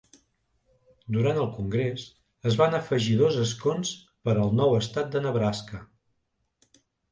Durant el congrés, es van afegir dos escons per al nou estat de Nebraska.